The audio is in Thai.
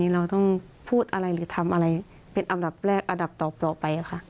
เราต้องพูดอะไรหรือทำอะไรเป็นอันดับแรกอันดับต่อไปค่ะ